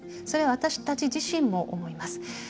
それは私たち自身も思います。